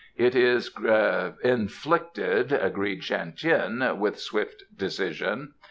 "It is gran inflicted," agreed Shan Tien, with swift decision.